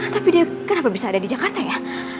tapi dia kenapa bisa ada di jakarta ya